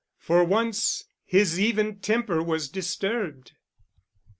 For once his even temper was disturbed.